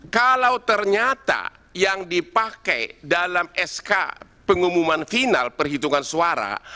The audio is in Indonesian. kalau ternyata yang dipakai dalam sk pengumuman final perhitungan suara